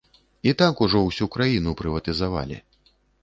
І так ужо ўсю краіну прыватызавалі.